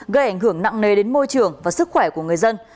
gây ảnh hưởng nặng nề đến môi trường và sức khỏe của người dân